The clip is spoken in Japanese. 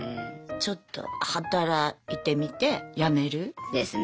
ちょっと働いてみて辞める？ですね。